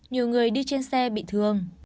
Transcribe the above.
nhiều người đi trên xe bị thương